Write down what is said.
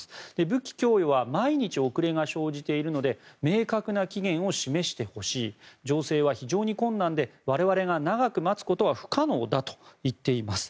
武器供与は毎日遅れが生じているので明確な期限を示してほしい情勢は非常に困難で我々が長く待つことは不可能だと言っています。